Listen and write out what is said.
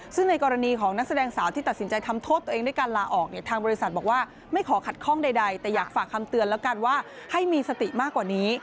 ซึ่งในกรณีของนักแสดงสาวที่ตัดสินใจทำโทษตัวเองด้วยการลาออกเนี่ยทางบริษัทบอกว่าไม่ขอขัดข้องใดแต่อยากฝากคำเตือนแล้วกันว่าให้มีสติมากกว่านี้